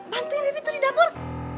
bantuin bibi tuh di dapur